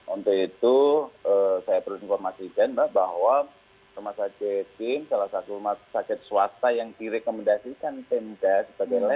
untuk itu saya perlu informasikan bahwa masyarakat tim salah satu masyarakat swasta yang direkomendasikan temda sebagai line ketiga